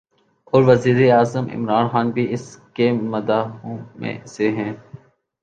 اور وزیراعظم عمران خان بھی اس کے مداحوں میں سے ہیں